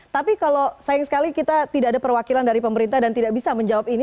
tapi kalau sayang sekali kita tidak ada perwakilan dari pemerintah dan tidak bisa menjawab ini